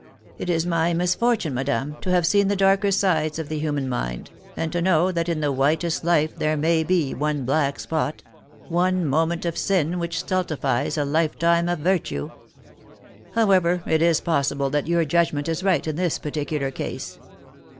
" It is my misfortune, madame, to have seen the darker sides of the human mind, and to know that in the whitest life there may be one black spot one moment of siri which stultifies a lifetime of virtue. However, it is possible that your judgment is right in this particular case.